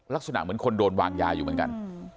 ลักษณะเหมือนคนโดนวางยาอยู่เหมือนกัน